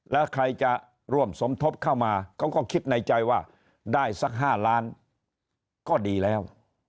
แล้วใครจะร่วมสมทบเข้ามาเขาก็คิดในใจว่าได้สัก๕ล้านก็ดีแล้ว